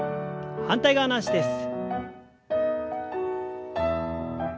反対側の脚です。